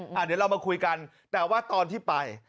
เดี๋ยวเรามาคุยกันแต่ว่าตอนที่ไป